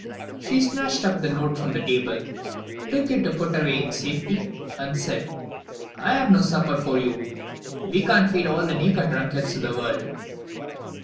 She snatched up the note from the table, took it to put away in safety, and said: "I have no supper for you. We can't feed all the naked drunkards in the world."